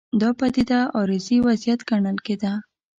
دا پدیده عارضي وضعیت ګڼل کېده.